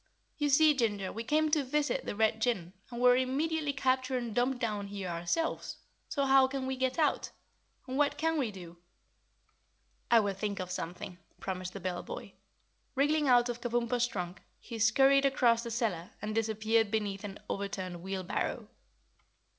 "You see, Ginger, we came to visit the Red Jinn and were immediately captured and dumped down here ourselves. So how can we get out? And what can we do?" "I will think of something," promised the bell boy. Wriggling out of Kabumpo's trunk, he scurried across the cellar and disappeared beneath an overturned wheelbarrow.